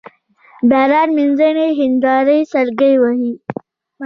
باران مينځلي هينداري سلګۍ وهي